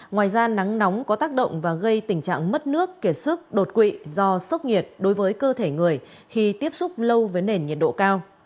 ngoài ra nắng nóng có tác động và gây tình trạng mất nước kiệt sức đột quỵ do sốc nhiệt đối với cơ thể người khi tiếp xúc lâu với nền nhiệt độ cao